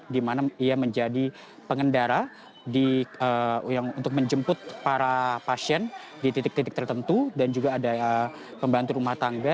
di mana ia menjadi pengendara untuk menjemput para pasien di titik titik tertentu dan juga ada pembantu rumah tangga